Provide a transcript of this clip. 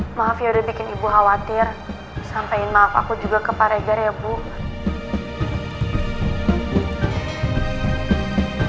nanti sampe rumah aku akan jemputmu